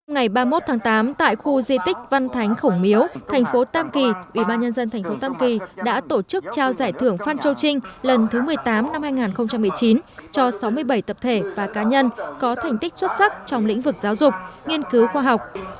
ngày ba mươi một tháng tám tại khu di tích văn thánh khổng miếu thành phố tam kỳ ubnd tp tam kỳ đã tổ chức trao giải thưởng phan châu trinh lần thứ một mươi tám năm hai nghìn một mươi chín cho sáu mươi bảy tập thể và cá nhân có thành tích xuất sắc trong lĩnh vực giáo dục nghiên cứu khoa học